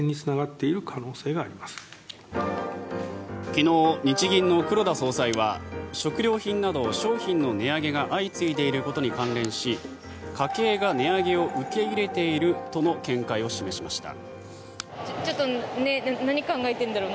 昨日、日銀の黒田総裁は食料品など商品の値上げが相次いでいることに関連し家計が値上げを受け入れているとの見解を示しました。